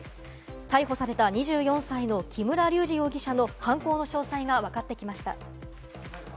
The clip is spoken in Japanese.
逮捕された２４歳の木村隆二容疑者の犯行の詳細が分かってきました。